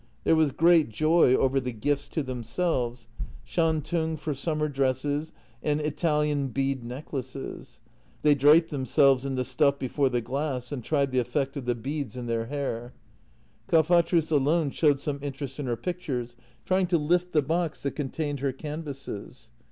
There was great joy over the gifts to themselves: shantung for summer dresses and Italian bead necklaces. They draped themselves in the stuff before the glass, and tried the effect of the beads in their hair. Kalfatrus alone showed some interest in her pictures, trying to lift the box that contained her canvases.